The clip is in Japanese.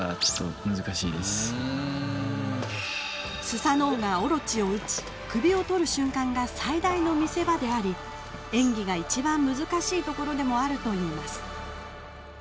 スサノオが大蛇を討ち首を取る瞬間が最大の見せ場であり演技が一番難しい所でもあるといいます。